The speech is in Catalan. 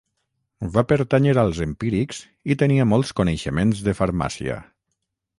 Va pertànyer als empírics i tenia molts coneixements de farmàcia.